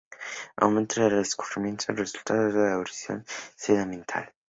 Aumenta el escurrimiento, resultando en la erosión y sedimentación.